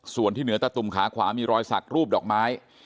ส่วนที่เหนือตะตุ่มขาขวามีรอยสักรูปดอกไม้